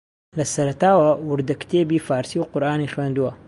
لە سەرەتاوە وردەکتێبی فارسی و قورئانی خوێندووە